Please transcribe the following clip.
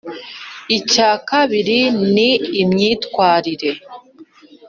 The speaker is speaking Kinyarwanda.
Icya kabiri ni imyitwarire